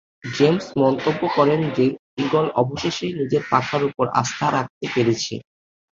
James মন্তব্য করেন যে, ঈগল অবশেষে নিজের পাখার উপর আস্থা রাখতে পেরেছে।